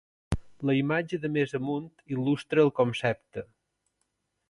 La imatge de més amunt il·lustra el concepte.